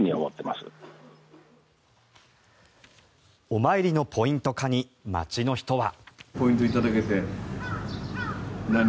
お参りのポイント化に街の人は。